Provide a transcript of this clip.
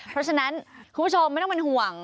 เพราะฉะนั้นคุณผู้ชมไม่ต้องเป็นห่วง